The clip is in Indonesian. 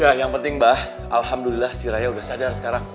ya yang penting mbah alhamdulillah si raya udah sadar sekarang